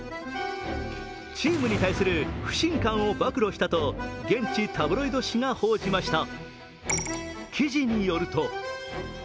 チームに対する不信感を暴露したと現地タブロイド紙が報じました。